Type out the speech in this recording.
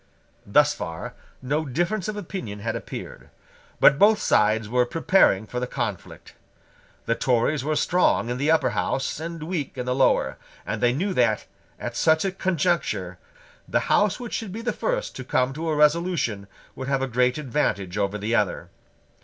Thus far no difference of opinion had appeared: but both sides were preparing for the conflict. The Tories were strong in the Upper House, and weak in the Lower; and they knew that, at such a conjuncture, the House which should be the first to come to a resolution would have a great advantage over the other.